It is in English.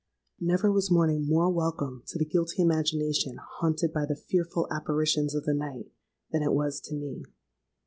"Never was morning more welcome to the guilty imagination haunted by the fearful apparitions of the night, than it was to me.